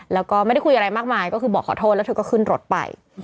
แล้วก็ไม่ได้คุยอะไรมากมายก็คือบอกขอโทษแล้วเธอก็ขึ้นรถไป